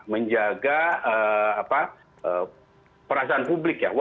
menjaga perasaan publik ya